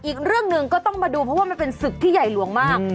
อีกเรื่องหนึ่งก็ต้องมาดูเพราะว่ามันเป็นศึกที่ใหญ่หลวงมาก